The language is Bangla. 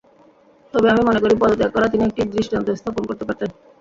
তবে আমি মনে করি, পদত্যাগ করে তিনি একটি দৃষ্টান্ত স্থাপন করতে পারতেন।